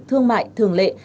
thương mại thường lệ